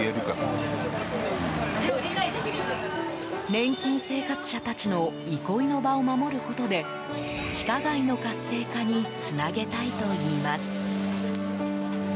年金生活者たちの憩いの場を守ることで地下街の活性化につなげたいといいます。